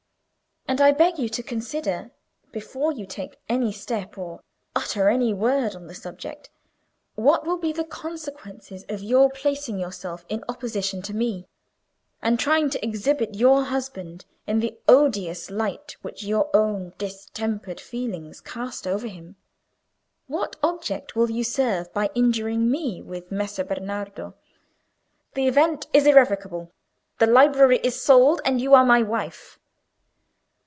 And I beg you to consider, before you take any step or utter any word on the subject, what will be the consequences of your placing yourself in opposition to me, and trying to exhibit your husband in the odious light which your own distempered feelings cast over him. What object will you serve by injuring me with Messer Bernardo? The event is irrevocable, the library is sold, and you are my wife."